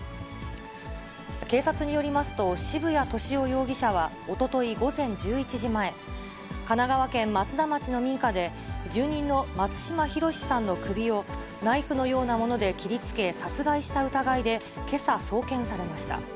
警察によりますと、渋谷寿男容疑者はおととい午前１１時前、神奈川県松田町の民家で、住人の松島浩さんの首をナイフのようなもので切りつけ、殺害した疑いでけさ、送検されました。